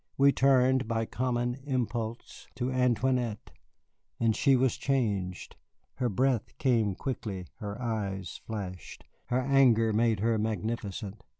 We turned by common impulse to Antoinette, and she was changed. Her breath came quickly, her eyes flashed, her anger made her magnificent.